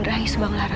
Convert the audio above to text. rahim subang lara